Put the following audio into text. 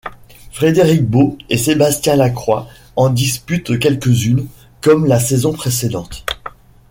Frédéric Baud et Sébastien Lacroix en disputent quelques-unes, comme la saison précédente.